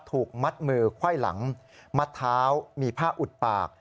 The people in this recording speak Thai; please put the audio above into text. ถูกมัดมือไขว้หลังมัดเท้ามีผ้าอุดปาก